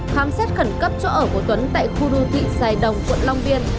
khám xét khẩn cấp chỗ ở của tuấn tại khu đô thị sài đồng quận long biên